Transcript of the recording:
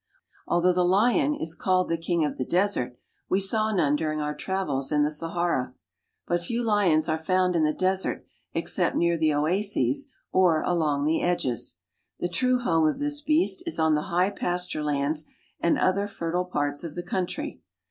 Although the lion is called the king of the desert, we V none during our travels in the Sahara. But few Uons I in the desert except near the oases or along the The true home of this beast is on the high pasture jids and other fertile parts of the country.